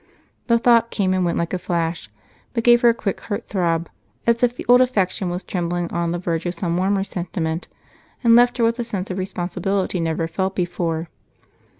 The thought came and went like a flash, but gave her a quick heartthrob, as if the old affection was trembling on the verge of some warmer sentiment, and left her with a sense of responsibility never felt before.